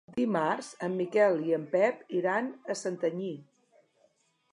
Dimarts en Miquel i en Pep iran a Santanyí.